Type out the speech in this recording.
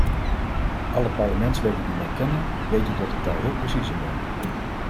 Alle parlementsleden die mij kennen, weten dat ik daar heel precies in ben.